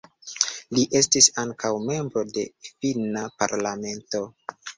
Li estis ankaŭ membro de Finna Parlamento.